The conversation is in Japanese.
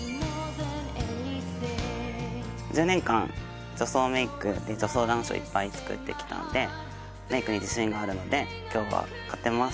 １０年間女装メイクで女装男子をいっぱいつくってきたんでメイクに自信があるので今日は勝てます。